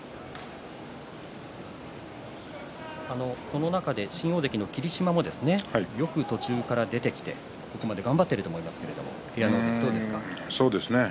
その中で新大関の霧島もよく途中から出てきて、ここまで頑張っていると思いますけれどもどうですか。